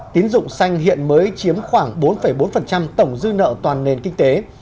tín dụng xanh hiện mới chiếm khoảng bốn bốn tổng dư nợ toàn nền kinh tế